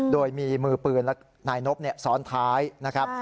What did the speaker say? โดยมีมือปืนและนายนบซ้อนท้ายนะครับ